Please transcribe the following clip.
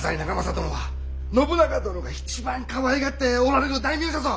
殿は信長殿が一番かわいがっておられる大名じゃぞ！